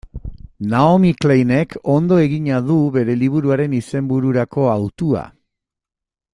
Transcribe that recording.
Naomi Kleinek ondo egina du bere liburuaren izenbururako hautua.